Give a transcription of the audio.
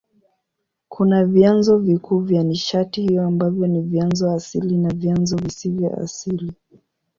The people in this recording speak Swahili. Kuna vyanzo vikuu vya nishati hiyo ambavyo ni vyanzo asili na vyanzo visivyo asili.